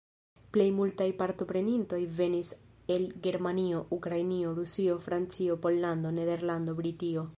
Plej multaj partoprenintoj venis el Germanio, Ukrainio, Rusio, Francio, Pollando, Nederlando, Britio.